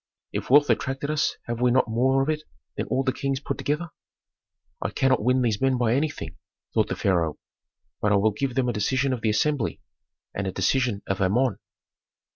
If wealth attracted us have we not more of it than all the kings put together?" "I cannot win these men by anything," thought the pharaoh, "but I will give them a decision of the assembly, and a decision of Amon."